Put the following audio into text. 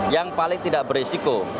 yang paling tidak berisiko